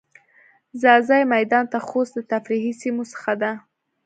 ځاځی میدان د خوست د تفریحی سیمو څخه ده.